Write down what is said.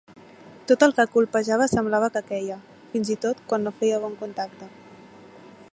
Tot el que colpejava semblava que queia, fins i tot quan no feia bon contacte.